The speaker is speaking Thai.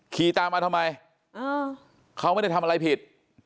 ขี่ตามมาทำไมเขาไม่ได้ทำอะไรผิด